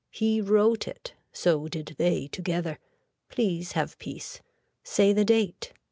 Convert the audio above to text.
He wrote it. So did they together. Please have peace. Say the date.